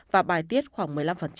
và bài tiết khoảng một mươi năm